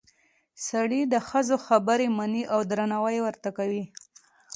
سړي د ښځو خبرې مني او درناوی ورته کوي